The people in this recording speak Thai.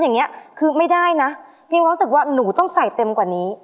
ไม่ได้นะพี่มีความรู้สึกว่าหนูต้องใส่เต็มกว่านี้